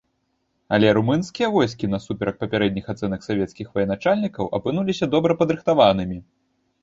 Але румынскія войскі, насуперак папярэдніх ацэнак савецкіх военачальнікаў, апынуліся добра падрыхтаванымі.